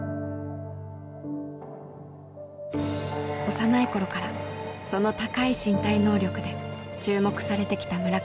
幼い頃からその高い身体能力で注目されてきた村上。